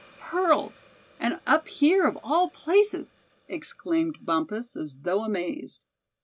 "Pearls, and up here of all places!" exclaimed Bumpus, as though amazed.